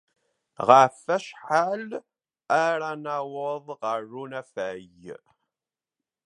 Ɣef wacḥal ara naweḍ ɣer unafag?